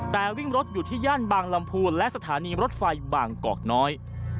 แต่วิ่งรถอยู่ที่ย่านบางลำพูนและสถานีรถไฟบางกอกน้อย